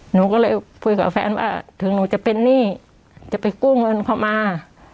หนูก็เลยคุยกับแฟนว่าถึงหนูจะเป็นหนี้จะไปกู้เงินเขามา